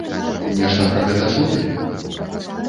Нешта пра гэта чулі?